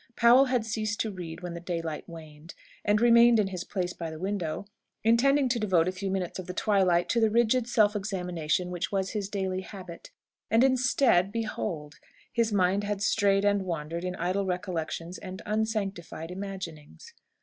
Powell had ceased to read when the daylight waned, and remained in his place by the window, intending to devote a few minutes of the twilight to the rigid self examination which was his daily habit. And instead, behold! his mind had strayed and wandered in idle recollections and unsanctified imaginings.